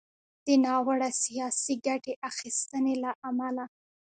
د ناوړه “سياسي ګټې اخيستنې” له امله